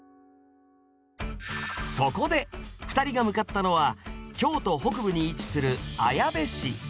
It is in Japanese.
そこで２人が向かったのは京都北部に位置する綾部市。